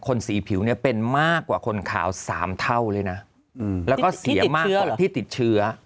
สีผิวเนี่ยเป็นมากกว่าคนขาว๓เท่าเลยนะแล้วก็เสียมากกว่าที่ติดเชื้อ